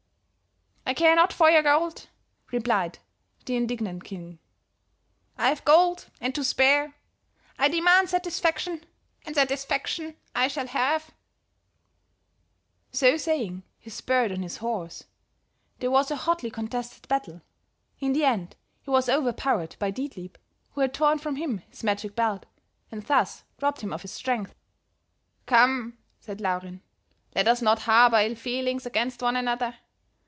"'I care not for your gold,' replied the indignant king; 'I have gold and to spare. I demand satisfaction, and satisfaction I shall have.' "So saying, he spurred on his horse. There was a hotly contested battle; in the end, he was overpowered by Dietlieb, who had torn from him his magic belt, and thus robbed him of his strength. "'Come,' said Laurin, 'let us not harbor ill feelings against one another.